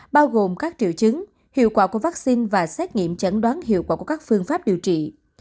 bao gồm các triệu chứng hiệu quả của vaccine và xét nghiệm chẩn đoán hiệu quả của các phương pháp điều trị